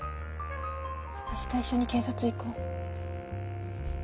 明日一緒に警察行こう。